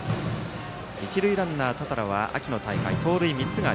一塁ランナーの多田羅は秋の大会、盗塁３つ。